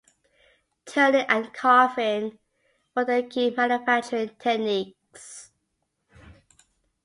Turning and carving were the key manufacturing techniques.